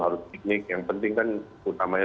harus piknik yang penting kan utamanya